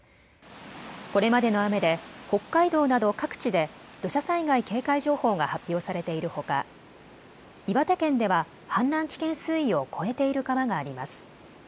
これまでの雨で北海道など各地で土砂災害警戒情報が発表されているほか岩手県では氾濫危険水位を超えている川があります。